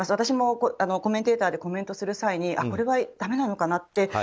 私もコメンテーターでコメントをする際にこれはダメなのかなって。